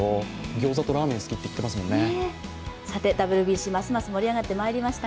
ギョーザとラーメン好きって言っていますもんね。